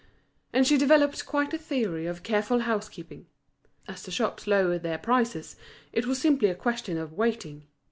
And she developed quite a theory of careful housekeeping. As the shops lowered their prices, it was simply a question of waiting.